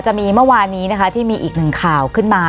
จะมีเมื่อวานนี้นะคะที่มีอีกหนึ่งข่าวขึ้นมา